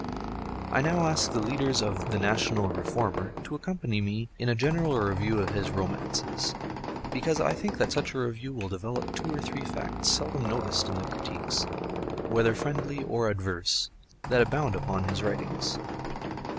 I now ask the leaders of the National Reformer to accompany me in a general review of his romances, because I think that such a review will develop two or three facts seldom noticed in the critiques—whether friendly or adverse—that abound upon his writings.